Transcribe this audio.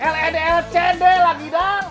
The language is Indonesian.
led lcd lagi dang